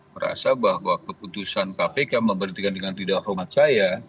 merasa bahwa keputusan kpk memberhentikan dengan tidak hormat saya